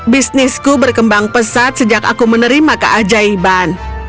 bisnisku berkembang pesat sejak aku menerima keajaiban